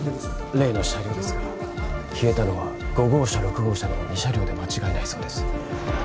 例の車両ですが消えたのは５号車６号車の２車両で間違いないそうです